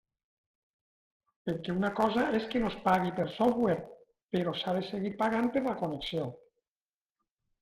Perquè una cosa és que no es pagui pel software, però s'ha de seguir pagant per la connexió.